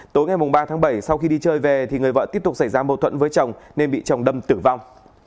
tối ngày ba tháng bảy sau khi đi chơi về thì người vợ tiếp tục xảy ra mâu thuẫn với chồng nên bị chồng đâm tử vong